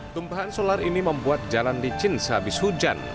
tumpahan solar ini membuat jalan licin sehabis hujan